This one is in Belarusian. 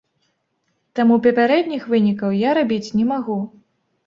Таму папярэдніх вынікаў я рабіць не магу.